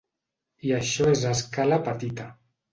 I això és a escala petita.